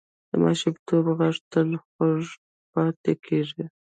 د ماشومتوب غږ تل خوږ پاتې کېږي